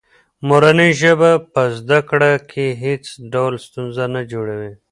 مورنۍ ژبه په زده کړه کې هېڅ ډول ستونزه نه جوړوي.